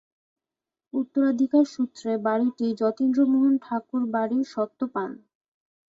উত্তরাধিকার সূত্রে বাড়িটি যতীন্দ্রমোহন ঠাকুর বাড়ির স্বত্ব পান।